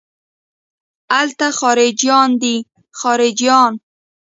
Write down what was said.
الته خارجيان دي خارجيان.